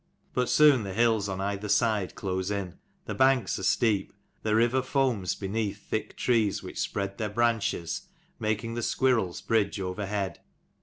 But soon the hills on either side close in : the banks are steep : the river foams beneath thick trees which spread their branches, making the squirrel's bridge overhead.